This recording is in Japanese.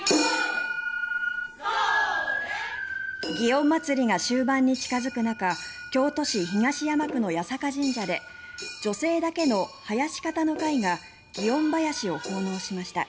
祇園祭が終盤に近付く中京都市東山区の八坂神社で女性だけの囃子方の会が祇園囃子を訪問しました。